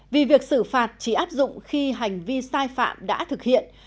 vì việc xử phạt chỉ áp dụng khi hành vi sai phạm đã thực hiện